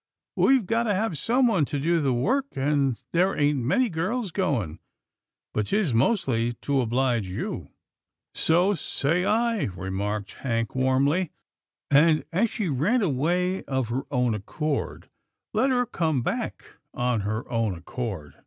We've got to have someone to do the work, and there ain't many girls going — but 'tis mostly to obHge you." " So say I," remarked Hank warmly, " and as she ran away of her own accord, let her come back of her own accord."